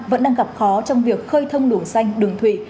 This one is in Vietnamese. vẫn đang gặp khó trong việc khơi thông luồng xanh đường thủy